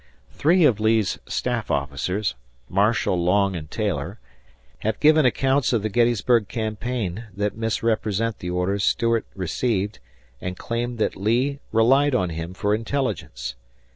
Three of Lee's staff officers, Marshall, Long, and Taylor, have given accounts of the Gettysburg campaign that misrepresent the orders Stuart received and claim that Lee relied on him for intelligence.